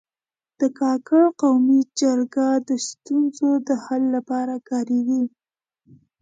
د کاکړ قومي جرګه د ستونزو د حل لپاره کارېږي.